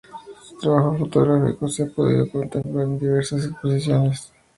Su trabajo fotográfico se ha podido contemplar en diversas exposiciones tanto nacionales como internacionales.